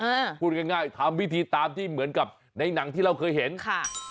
พูดง่ายง่ายทำพิธีตามที่เหมือนกับในหนังที่เราเคยเห็นค่ะ